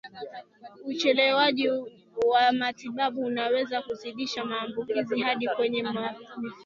Uchelewaji wa matibabu unaweza kuzidisha maambukizi hadi kwenye mifupa